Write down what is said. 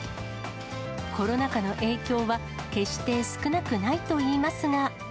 コロナ禍の影響は、決して少なくないといいますが。